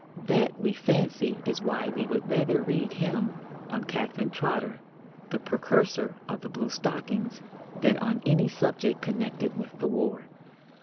That, we fancy, is why we would rather read him on Catherine Trotter, the precursor of the bluestockings, than on any subject connected with the war.